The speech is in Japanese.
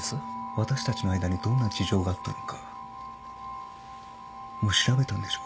私たちの間にどんな事情があったのかもう調べたんでしょ？